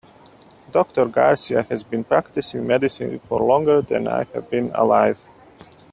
Doctor Garcia has been practicing medicine for longer than I have been alive.